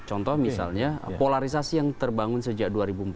contoh misalnya polarisasi yang terbangun sejak dua ribu empat belas